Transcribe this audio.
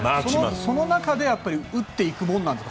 その中で打っていくものなんですか。